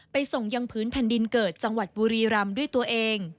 ส่งยังพื้นแผ่นดินเกิดจังหวัดบุรีรำด้วยตัวเอง